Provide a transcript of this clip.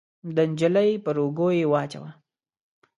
د نجلۍ پر اوږو يې واچاوه.